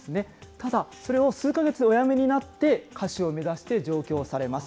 ただ、それを数か月でお辞めになって、歌手を目指して上京されます。